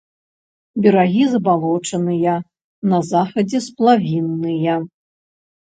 Берагі забалочаныя, на захадзе сплавінныя.